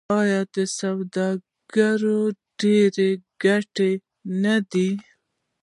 آیا دا سوداګري ډیره ګټوره نه ده؟